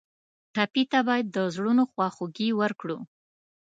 ټپي ته باید د زړونو خواخوږي ورکړو.